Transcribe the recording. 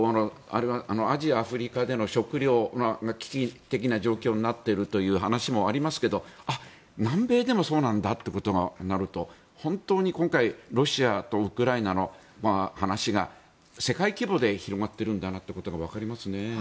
アジア、アフリカで食糧危機的な状況になっているという話もありますが南米でもそうなんだってことになると本当に今回ロシアとウクライナの話が世界規模で広がっているんだなということがわかりますね。